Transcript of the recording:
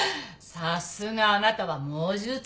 さすがあなたは猛獣使いね。